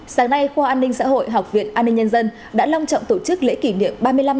sáng nay khoa an ninh xã hội học viện an ninh nhân dân đã long trọng tổ chức lễ kỷ niệm